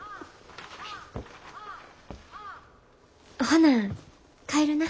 ほな帰るな。